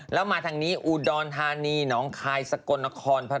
แล้วมาทางนี้อุดอนฮานีน้องคายสกลนคร